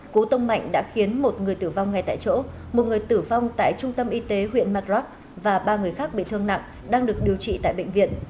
cú tông mạnh đã khiến một người tử vong ngay tại chỗ một người tử vong tại trung tâm y tế huyện madrak và ba người khác bị thương nặng đang được điều trị tại bệnh viện